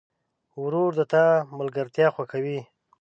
ورور د تا ملګرتیا خوښوي.